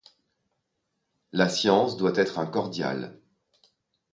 La science doit être un cordial.